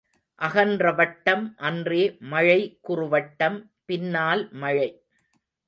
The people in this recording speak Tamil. அகன்ற வட்டம் அன்றே மழை குறுவட்டம் பின்னால் மழை.